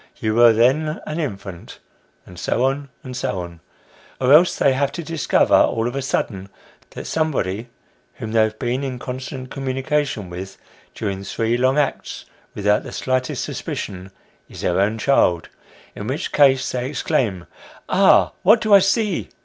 You were then an infant," &c., &c. Or else they have to discover, all of a sudden, that somebody whom they have been in constant communication with, during three long acts, without the slightest suspicion, is their own child : in which case they exclaim, " Ah ! what do I see